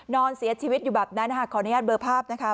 นอนเสียชีวิตอยู่แบบนั้นขออนุญาตเบอร์ภาพนะคะ